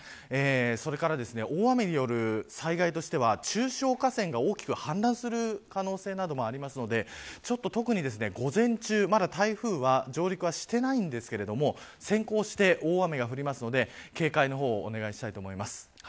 それから大雨による災害としては中小河川が大きく氾濫する可能性などもありますので特に午前中、まだ台風が上陸していないんですが先行して大雨が降りますので警戒の方をお願いしたいと思います。